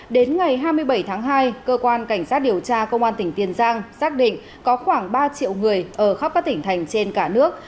đến ngày hai mươi bảy tháng hai cơ quan cảnh sát điều tra công an tỉnh tiền giang xác định có khoảng ba triệu người ở khắp các tỉnh thành trên cả nước